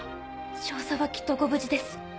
少佐はきっとご無事です。